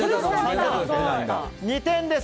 ２点です。